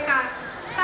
di kalangan tunanetra